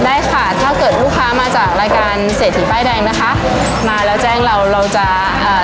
ได้ค่ะถ้าเกิดลูกค้ามาจากรายการเศรษฐีป้ายแดงนะคะมาแล้วแจ้งเราเราจะอ่า